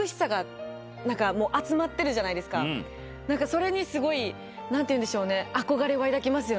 それにすごい何て言うんでしょうね。